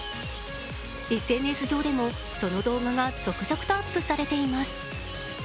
ＳＮＳ上でも、その動画が続々とアップされています。